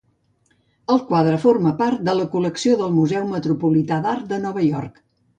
El quadre forma part de la col·lecció del Museu Metropolità d'Art de Nova York.